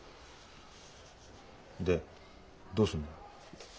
でどうすんだ？